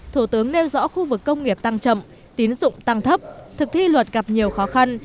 thủ tướng nêu rõ khu vực công nghiệp tăng chậm tín dụng tăng thấp thực thi luật gặp nhiều khó khăn